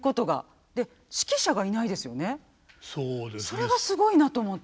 それがすごいなと思って。